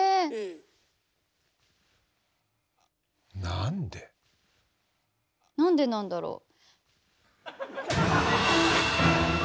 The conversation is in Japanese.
なんでなんだろう？